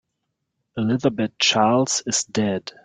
Elizabeth Charles is dead.